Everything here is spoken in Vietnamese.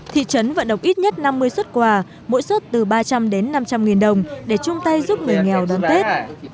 thị trấn vận động ít nhất năm mươi xuất quà mỗi xuất từ ba trăm linh đến năm trăm linh nghìn đồng để chung tay giúp người nghèo đón tết